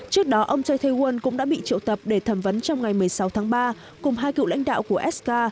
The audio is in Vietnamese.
trước đó ông chae tae woon cũng đã bị triệu tập để thẩm vấn trong ngày một mươi sáu tháng ba cùng hai cựu lãnh đạo của sk